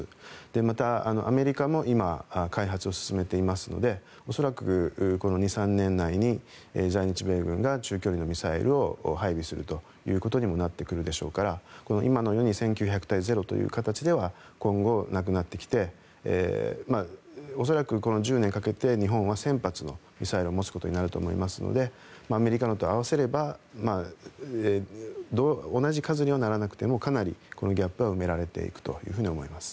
また、アメリカも今開発を進めていますので恐らく、この２３年内に在日米軍が中距離のミサイルを配備することになってくるでしょうから今のように１９００対０という形では今後、なくなってきて恐らく、この１０年かけて日本は１０００発のミサイルを持つことになると思いますのでアメリカのと合わせれば同じ数にはならなくてもかなりギャップは埋められていくと思います。